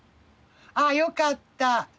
あよかった。